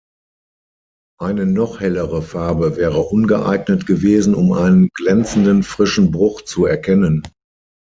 Eine noch hellere Farbe wäre ungeeignet gewesen um einen glänzenden frischen Bruch zu erkennen.